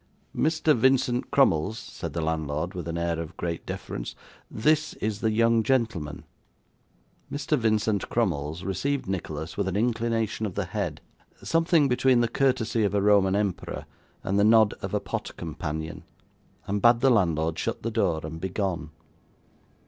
'Mr. Vincent Crummles,' said the landlord with an air of great deference. 'This is the young gentleman.' Mr. Vincent Crummles received Nicholas with an inclination of the head, something between the courtesy of a Roman emperor and the nod of a pot companion; and bade the landlord shut the door and begone.